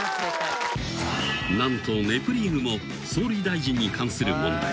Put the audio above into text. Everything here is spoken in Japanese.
［何と『ネプリーグ』も総理大臣に関する問題］